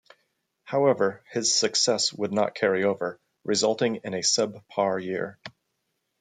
However, his success would not carry over, resulting in a sub par year.